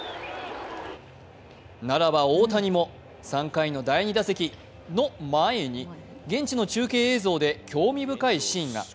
ならば大谷も、３回の第２打席の前に、現地の中継映像で興味深いシーンが。